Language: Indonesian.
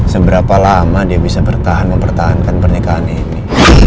seberapa lama dia bisa bertahan mempertahankan pernikahan ini